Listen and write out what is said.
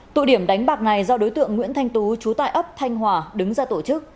tụ điểm đánh bạc này do đối tượng nguyễn thanh tú trú tại ấp thanh hòa đứng ra tổ chức